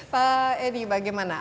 pak edi bagaimana